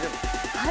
はい。